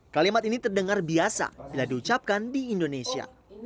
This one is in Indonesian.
kalimat ini terdengar biasa bila diucapkan di indonesia